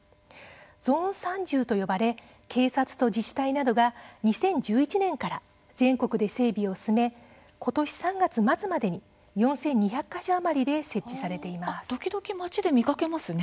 ゾーン３０と呼ばれ警察と自治体などが２０１１年から全国で整備を進め今年の３月末までに４２００か所余りで設置されています。